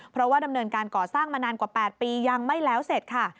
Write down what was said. เพราะว่าดำเนินการก่อสร้างมานานกว่า๘ปียังไม่แล้วเสร็จค่ะ